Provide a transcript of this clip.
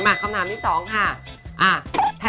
คำถามที่๒ค่ะ